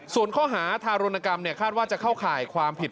ส่วนข้อหาทารุณกรรมคาดว่าจะเข้าข่ายความผิด